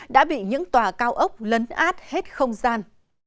đã bị những tòa cao ốc lấn át hết không gian